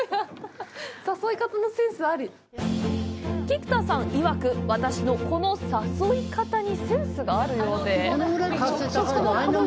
菊田さんいわく、私のこの誘い方にセンスがあるようで。